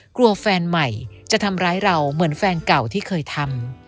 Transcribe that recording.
แฟนใหม่จะทำร้ายเราเหมือนแฟนเก่าที่เคยทำ